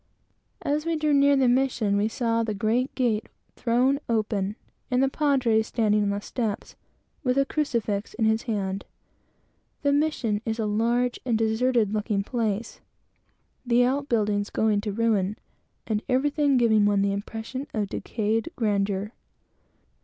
As we drew near the mission, we saw the great gate thrown open, and the pádre standing on the steps, with a crucifix in hand. The mission is a large and deserted looking place, the out buildings going to ruin, and everything giving one the impression of decayed grandeur.